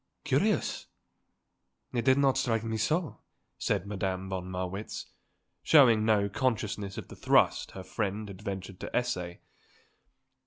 "Curious? It did not strike me so," said Madame von Marwitz, showing no consciousness of the thrust her friend had ventured to essay.